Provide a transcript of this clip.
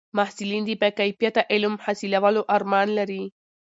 محصلین د با کیفیته علم حاصلولو ارمان لري.